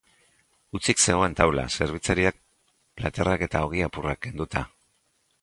Hutsik zegoen taula, zerbitzariak platerak eta ogi apurrak kenduta.